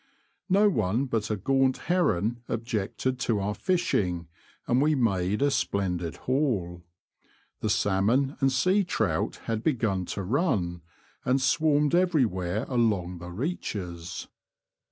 No one but a gaunt heron objected to our fishing, and we made a splendid haul. The salmon and sea trout had begun to run, and swarmed everywhere along the reaches.